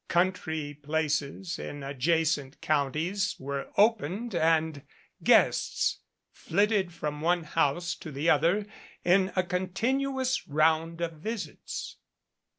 Country places in adjacent counties were opened and guests flitted from one house to the other in a continuous round of visits.